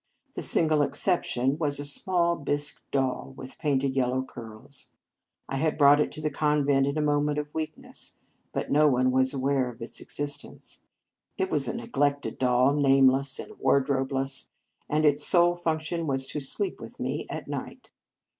The single exception was a small bisque doll with painted yellow curls. I had brought it to the convent in a moment of weakness, but no one was aware of its existence,. It was a neglected doll, nameless and wardrobeless, and its sole function was to sleep with me at night.